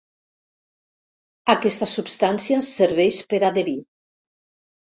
Aquesta substància serveix per adherir.